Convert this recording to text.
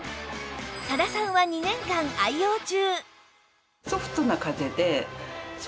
多田さんは２年間愛用中